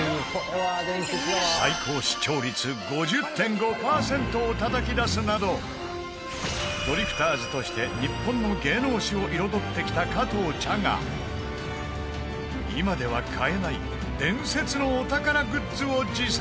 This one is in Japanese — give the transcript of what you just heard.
最高視聴率５０．５％をたたき出すなどドリフターズとして日本の芸能史を彩ってきた加藤茶が今では買えない伝説のお宝グッズを持参